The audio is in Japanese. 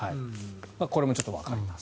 これもちょっとわかります。